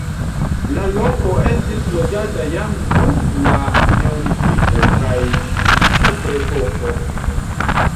La loko estis loĝata jam dum la neolitiko kaj kuprepoko.